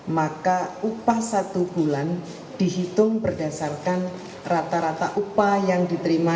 maka upah satu bulan dihitung berdasarkan rata rata upah yang diterima